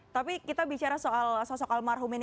tapi kita bicara soal sosok almarhum ini